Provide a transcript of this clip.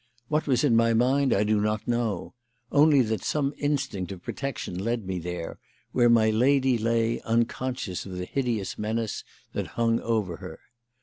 What was in my mind I do not know; only that some instinct of protection led me there, where my lady lay unconscious of the hideous menace that hung over her.